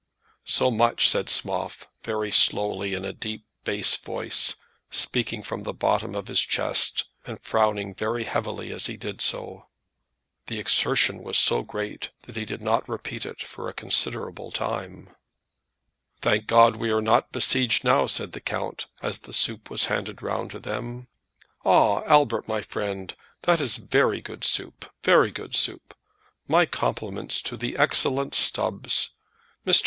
So much said Schmoff, very slowly, in a deep bass voice, speaking from the bottom of his chest, and frowning very heavily as he did so. The exertion was so great that he did not repeat it for a considerable time. "Thank God we are not besieged now," said the count, as the soup was handed round to them. "Ah, Albert, my friend, that is good soup; very good soup. My compliments to the excellent Stubbs. Mr.